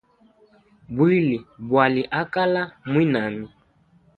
Bwili bwali akala mwinami.